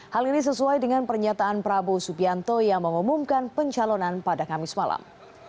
hal ini sesuai dengan pernyataan prabowo subianto yang mengumumkan pencalonan pada kamis malam